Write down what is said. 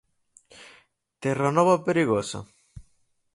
Terranova perigosa?